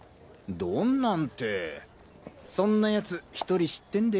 どんなんってそんな奴１人知ってんで。